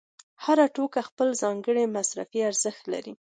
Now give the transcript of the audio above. هر توکی خپل ځانګړی مصرفي ارزښت لري